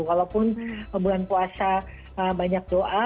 walaupun bulan puasa banyak doa